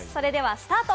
スタート！